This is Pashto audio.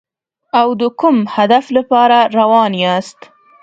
او د کوم هدف لپاره روان یاست.